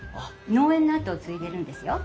農園の後を継いでるんですよ。